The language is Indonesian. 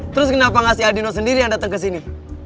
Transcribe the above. terus kenapa gak si aldino sendiri yang dateng kesini